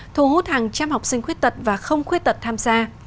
thu hút hàng trăm học sinh khuyết tật và không khuyết tật tham gia